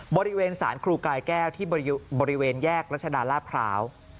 บริเวณสารครูกายแก้วที่บริเวณแยกรัชดาลาดพร้าว